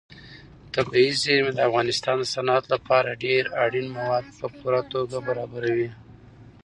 طبیعي زیرمې د افغانستان د صنعت لپاره ډېر اړین مواد په پوره توګه برابروي.